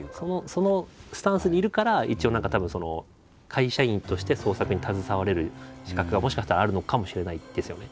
そのスタンスにいるから一応何かたぶんその会社員として創作に携われる資格がもしかしたらあるのかもしれないですよね。